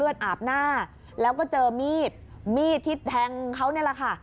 อาบหน้าแล้วก็เจอมีดมีดที่แทงเขานี่แหละค่ะ